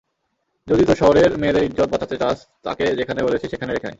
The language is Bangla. যদি তোর শহরের মেয়েদের ইজ্জত বাঁচাতে চাস, তাকে যেখানে বলেছি সেখানে রেখে আয়।